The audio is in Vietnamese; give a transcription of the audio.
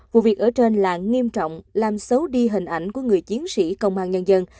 vụ việc ở trên là nghiêm trọng làm xấu đi hình ảnh của người chiến sĩ công an nhân dân